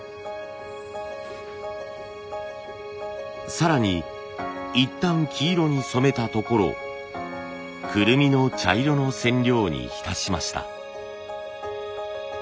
更にいったん黄色に染めたところをクルミの茶色の染料にひたしました。